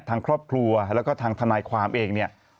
ทางครอบครัวแล้วก็ทางทนายความเองเนี่ย